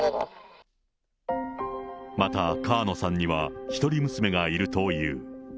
また、川野さんには一人娘がいるという。